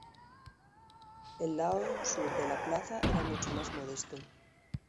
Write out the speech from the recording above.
El lado sur de la plaza era mucho más modesto.